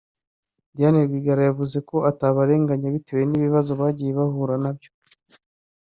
Diane Rwigara yavuze ko atabarenganya bitewe n’ibibazo bagiye bahura nabyo